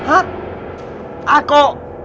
อะไรอาร์โก